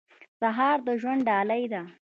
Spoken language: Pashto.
سهار د ژوند ډالۍ ده.